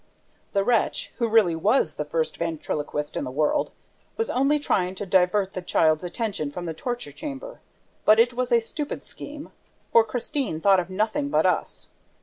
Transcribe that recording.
The wretch, who really was the first ventriloquist in the world, was only trying to divert the child's attention from the torture chamber; but it was a stupid scheme, for Christine thought of nothing but us!